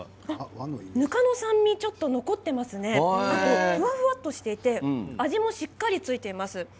ぬかの酸味ちょっと残ってますねフワフワとしていて味もしっかり付いています。